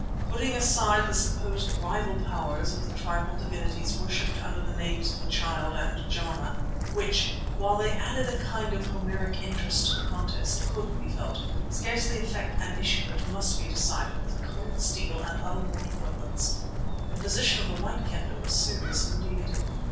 Putting aside the supposed rival powers of the tribal divinities worshipped under the names of the Child and Jana, which, while they added a kind of Homeric interest to the contest, could, we felt, scarcely affect an issue that must be decided with cold steel and other mortal weapons, the position of the White Kendah was serious indeed.